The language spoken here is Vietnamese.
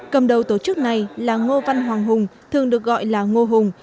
cầm đầu tổ chức này là ngô văn hoàng hùng thường được gọi là ngô hùng